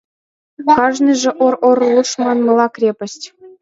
Кажныже ор, ор, руш манмыла, крепость.